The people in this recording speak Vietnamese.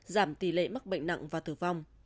giảm tỷ lệ mắc bệnh nặng và tử vong